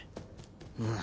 うん。